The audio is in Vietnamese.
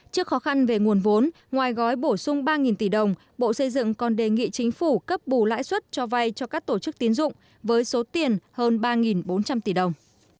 trước khó khăn về nguồn vốn ngoài gói bổ sung ba tỷ đồng bộ xây dựng còn đề nghị chính phủ cấp bù lãi suất cho vay cho các tổ chức tiến dụng với số tiền hơn ba bốn trăm linh tỷ đồng